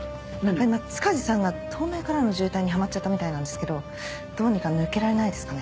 今塚地さんが東名からの渋滞にはまっちゃったみたいなんですけどどうにか抜けられないですかね？